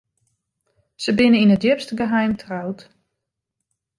Sy binne yn it djipste geheim troud.